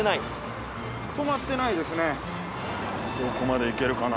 どこまで行けるかな？